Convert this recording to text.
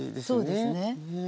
そうですね。